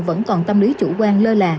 vẫn còn tâm lý chủ quan lơ là